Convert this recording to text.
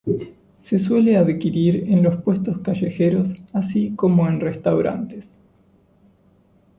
Se suele adquirir en los puestos callejeros así como en restaurantes.